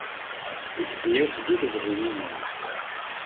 Iteddu-yas di lebɣi i yemma-s.